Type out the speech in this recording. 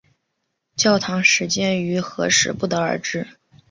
教堂始建于何时不得而知。